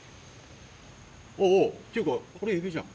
おぉっていうかこれエビじゃん。